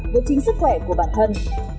với chính sức khỏe của bản thân